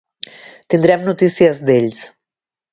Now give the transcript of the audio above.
Tindrem notícies d'ells.